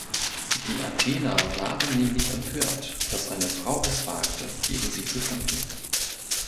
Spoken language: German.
Die Athener waren nämlich empört, dass eine Frau es wagte, gegen sie zu kämpfen.